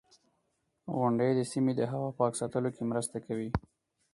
• غونډۍ د سیمې د هوا پاک ساتلو کې مرسته کوي.